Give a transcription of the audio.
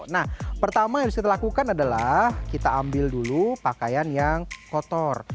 nah pertama yang harus kita lakukan adalah kita ambil dulu pakaian yang kotor